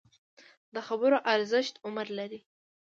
د خبرو ارزښت عمر لري